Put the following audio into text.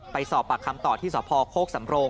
ไปสอบปากคำตอบที่สภโฆกสำนักงาน